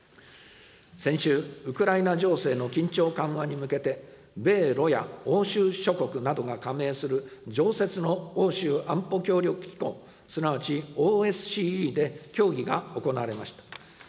先週、ウクライナ情勢の緊張緩和に向けて、米ロや欧州諸国などが加盟する、常設の欧州安保協力機構、すなわちＯＳＣＥで協議が行われました。